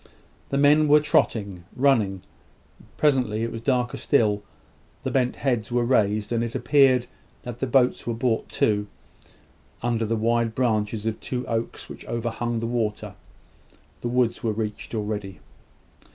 The men were trotting, running. Presently it was darker still: the bent heads were raised, and it appeared that the boats were brought to, under the wide branches of two oaks which overhung the water. The woods were reached already.